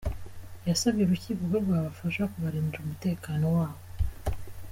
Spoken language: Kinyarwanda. Yasabye urukiko ko rwabafasha kubarindira umutekano wabo.